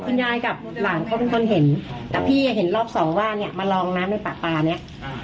คุณยายกับหลานเค้าเป็นคนเห็นพี่เห็นรอบสองว่าแดงมาร้องน้ำให้ป้าบานี้